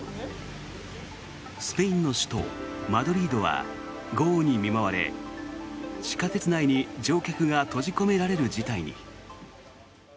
スペインの首都マドリードは豪雨に見舞われ地下鉄内に乗客が閉じ込められる事態に。